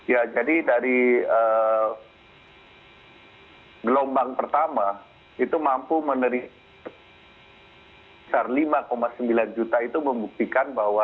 ya jadi dari gelombang pertama itu mampu menerima lima sembilan juta itu membuktikan bahwa